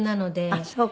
あっそう。